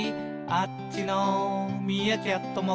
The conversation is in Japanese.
「こっちのミーアキャットも」